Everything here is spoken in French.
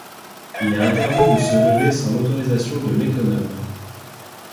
Il est interdit de se lever sans l'autorisation de l'économe.